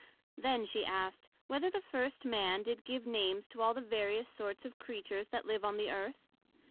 Then she asked, Whether the first Man did give Names to all the various sorts of Creatures that live on the Earth?